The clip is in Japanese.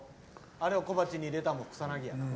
あれを小鉢に入れたらもう草薙やな。